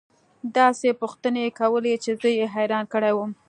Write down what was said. داسې پوښتنې يې كولې چې زه يې حيران كړى وم.